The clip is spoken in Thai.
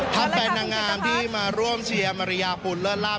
ถ้าแฟนนางงามที่มาร่วมเชียร์มาริยาปุ่นเลิศลาบ